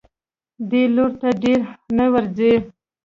دې لوري ته ډېر نه ورځي.